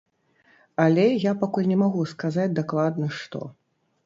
Але я пакуль не магу сказаць дакладна, што.